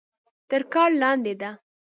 تر کار لاندې ده.